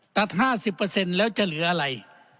ตัด๕๐แล้วจะเหลืออะไร